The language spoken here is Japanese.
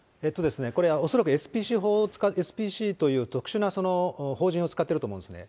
これは恐らくＳＰＣという特殊な法人を使ってると思うんですね。